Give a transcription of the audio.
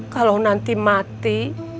kalau nanti mati